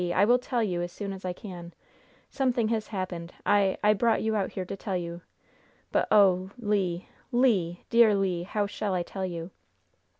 I will tell you as soon as I can. Something has happened. I I brought you out here to tell you. But, oh, Le! Le! dear Le! how shall I tell you?"